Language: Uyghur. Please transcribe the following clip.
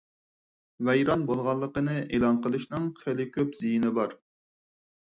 ۋەيران بولغانلىقىنى ئېلان قىلىشنىڭ خېلى كۆپ زىيىنى بار.